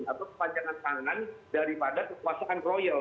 atau kepanjangan tangan daripada kekuasaan royal